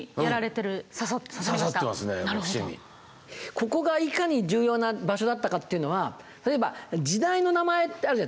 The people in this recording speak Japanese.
ここがいかに重要な場所だったかというのは例えば時代の名前ってあるじゃん。